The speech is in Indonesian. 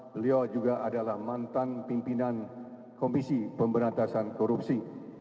beliau juga adalah mantan pimpinan komisi pemberantasan korupsi